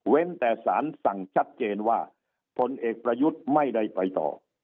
แต่สารสั่งชัดเจนว่าพลเอกประยุทธ์ไม่ได้ไปต่อ